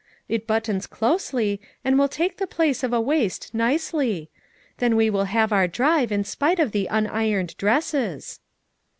it buttons closely and will take the place of a waist nicely; then we will have our drive in spite of the un ironed dresses."